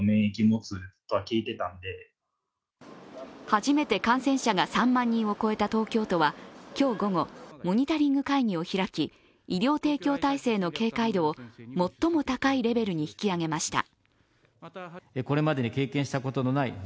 初めて感染者が３万人を超えた東京都は今日午後、モニタリング会議を開き医療提供体制の警戒度を最も高いレベルに引き上げました。